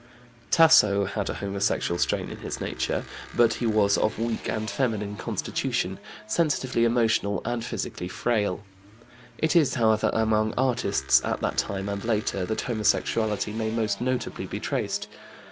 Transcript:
" Tasso had a homosexual strain in his nature, but he was of weak and feminine constitution, sensitively emotional and physically frail. It is, however, among artists, at that time and later, that homosexuality may most notably be traced.